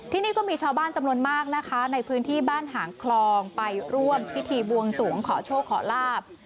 ที่นี่ก็มีชาวบ้านจำนวนมากนะคะในพื้นที่บ้านหางคลองไปร่วมพิธีบวงสวงขอโชคขอลาบ